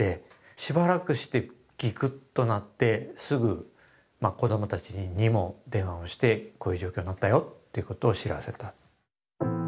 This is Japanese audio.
しばらくしてギクッとなってすぐ子供たちにも電話をしてこういう状況になったよっていうことを知らせた。